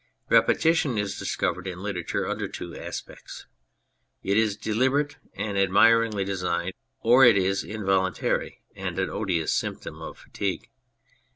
Repetition is discovered in literature under two aspects. It is deliberate and admiringly designed, or it is involuntary and an odious symptom of fatigue.